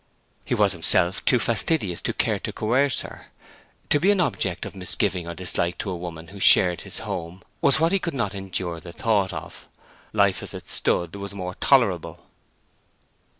He was himself too fastidious to care to coerce her. To be an object of misgiving or dislike to a woman who shared his home was what he could not endure the thought of. Life as it stood was more tolerable.